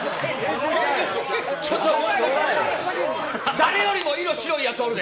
誰よりも色白いやつおるで。